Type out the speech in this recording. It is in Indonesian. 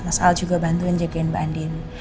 mas al juga bantuin jagain mbak andin